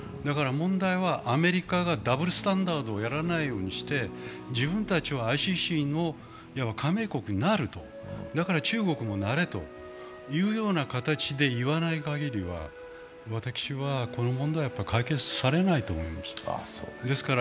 問題はアメリカがダブルスタンダードをやらないようにして自分たちもＩＣＣの加盟国になると、だから中国もなれというような形で言わないかぎりは私はこの問題は解決されないと思います。